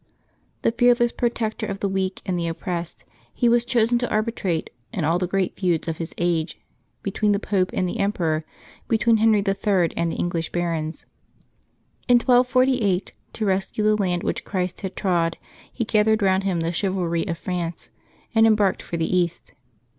The fearless protector of th^ weak and the oppressed, he was chosen to arbitrate in all the great feuds of his age, between the Pope and the Emperor, between Henry III. and the English barons. In 1248, to rescue the land which Christ had trod, he gath ered round him the chivalry of France, and embarked for the East.